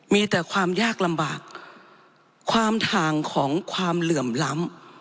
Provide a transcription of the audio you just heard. มีแต่ความยากลำบากความถ่างของความเหลื่อมล้ำ